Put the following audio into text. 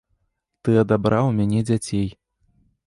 Ты адабраў у мяне дзяцей.